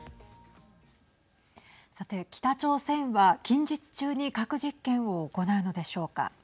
さて、北朝鮮は近日中に核実験を行うのでしょうか。